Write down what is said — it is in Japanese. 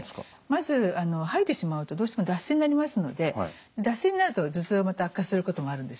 まず吐いてしまうとどうしても脱水になりますので脱水になると頭痛がまた悪化することもあるんですね。